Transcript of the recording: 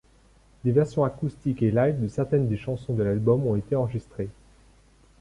Des versions acoustiques et live de certaines des chansons de l'album ont été enregistrées.